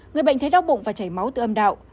người bệnh thấy đau bụng và chảy máu từ âm đạo